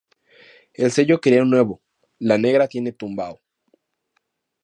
El sello quería un nuevo "La negra tiene tumbao".